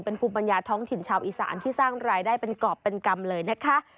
เป็นภูมิปัญญาท้องถิ่นชาวอีสานที่สร้างรายได้เป็นกรอบเป็นกรรมเลยนะคะ